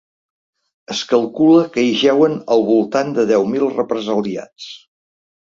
Es calcula que hi jeuen al voltant de deu mil represaliats.